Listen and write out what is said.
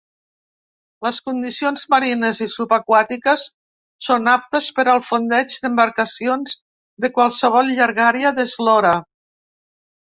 Les condicions marines i subaquàtiques són aptes per al fondeig d'embarcacions de qualsevol llargària d'eslora.